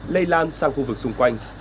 lây lan sang khu vực xung quanh